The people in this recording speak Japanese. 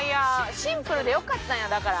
シンプルでよかったんやだから。